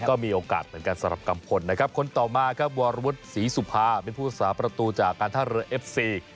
ก็มีโอกาสเหมือนกันสำหรับกำพลคนต่อมาวารวุฒิศรีสุภาเป็นผู้สาประตูจากการท่าเรือเอฟซี